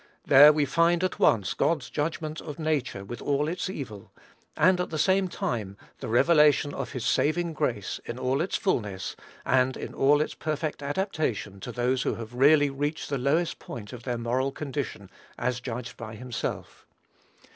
There we find at once God's judgment of nature with all its evil; and, at the same time, the revelation of his saving grace, in all its fulness, and in all its perfect adaptation to those who have really reached the lowest point of their moral condition, as judged by himself.